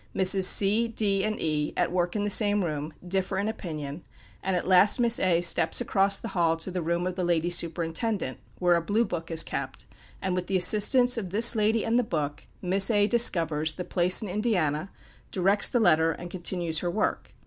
Misses C, D, and E, at work in the same room, differ in opinion, and at last Miss A steps across the hall to the room of the lady superintendent, where a "blue book" is kept, and, with the assistance of this lady and the book, Miss A discovers the place in Indiana, directs the letter, and continues her work.